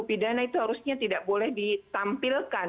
pidana itu harusnya tidak boleh ditampilkan